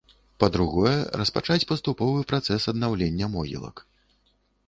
Па-другое, распачаць паступовы працэс аднаўлення могілак.